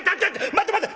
「待って待って！